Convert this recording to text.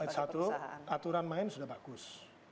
satu aturan main sudah bagus